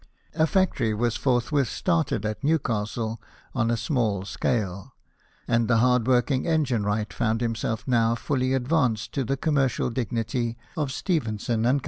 A factory was forthwith started at Newcastle on a small scale, and the hard working engine wright found himself now fully advanced to the commercial dignity of Stephen son and Co.